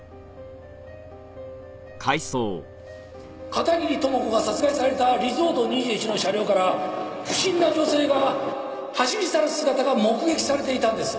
片桐朋子が殺害されたリゾート２１の車両から不審な女性が走り去る姿が目撃されていたんです。